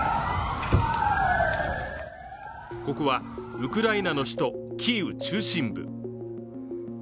ここはウクライナの首都キーウ中心部。